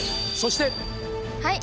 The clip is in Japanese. はい。